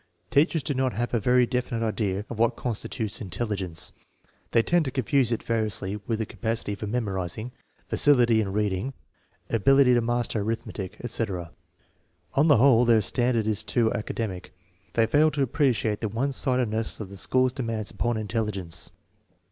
Teachers do not have a very definite idea of what constitutes intelligence. They tend to confuse it variously with capacity for memorizing, facility in reading, ability to master arithmetic, etc. On the whole, their standard is too academic. They fail to appreciate the one sidedness of the school's demands upon intelligence.